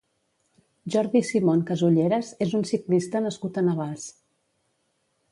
Jordi Simón Casulleras és un ciclista nascut a Navars.